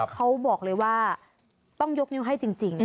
เขาบอกเลยว่าต้องยกนิ้วให้จริง